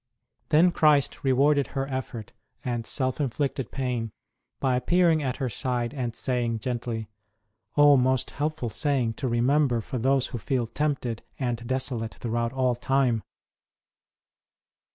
Then Christ rewarded her effort and self inflicted pain by appearing at her side, and saying gently (Oh, most helpful saying to remember for those who feel tempted and desolate throughout all time